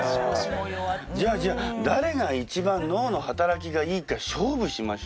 じゃあじゃあ誰が一番脳の働きがいいか勝負しましょうよ。